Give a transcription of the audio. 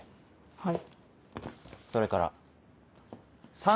はい。